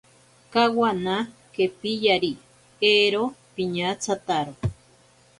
Kawana kepiyari ero piñatsararo.